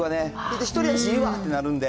１人やし、いいわってになる。